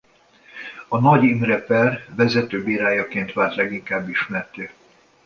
A Nagy Imre-per vezető bírájaként vált leginkább ismertté.